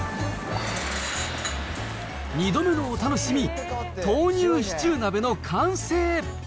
２度目のお楽しみ、豆乳シチュー鍋の完成。